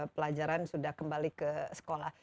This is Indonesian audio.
pelajaran sudah kembali ke sekolah